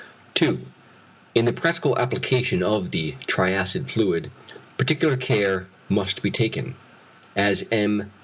2. In the practical application of the triacid fluid, particular care must be taken, as M.